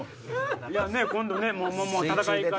今度ね戦い方も。